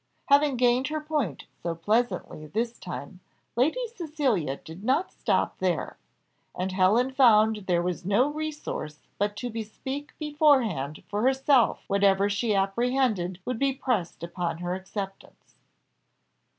Having gained her point so pleasantly this time, Lady Cecilia did not stop there; and Helen found there was no resource but to bespeak beforehand for herself whatever she apprehended would be pressed upon her acceptance.